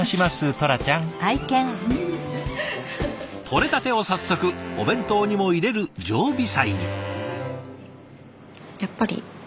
とれたてを早速お弁当にも入れる常備菜に。